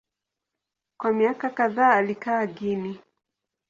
Kwa miaka kadhaa alikaa Guinea.